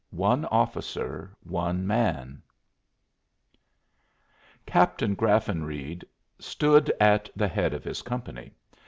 ONE OFFICER, ONE MAN Captain Graffenreid stood at the head of his company.